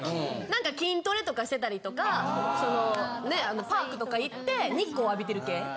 何か筋トレとかしてたりとかパークとか行って日光浴びてる系。